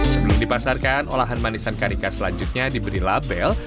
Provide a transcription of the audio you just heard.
sebelum dipasarkan olahan manisan karika selanjutnya diberi label